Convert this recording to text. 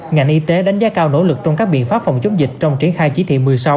ngành y tế đánh giá cao nỗ lực trong các biện pháp phòng chống dịch trong triển khai chỉ thị một mươi sáu